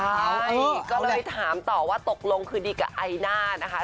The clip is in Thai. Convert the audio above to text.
ใช่ก็เลยถามต่อว่าตกลงคือดีกับไอน่านะคะ